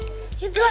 iya jangan marah dong